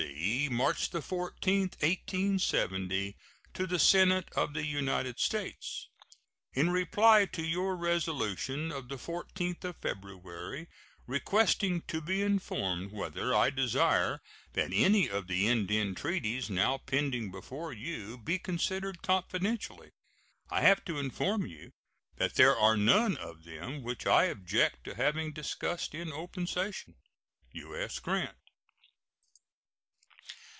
C., March 14, 1870_. To the Senate of the United States: In reply to your resolution of the 14th of February, requesting to be informed whether I desire that any of the Indian treaties now pending before you be considered confidentially, I have to inform you that there are none of them which I object to having discussed in open session. U.S. GRANT.